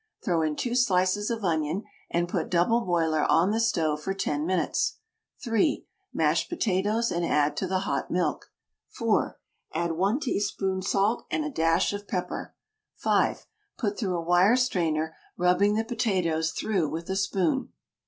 Throw in 2 slices of onion, and put double boiler on the stove for 10 minutes. 3. Mash potatoes and add to the hot milk. 4. Add 1 teaspoon salt and a dash of pepper. 5. Put through a wire strainer, rubbing the potatoes through with a spoon.